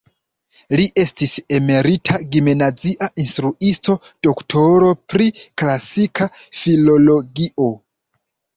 Li estis emerita gimnazia instruisto, doktoro pri klasika filologio.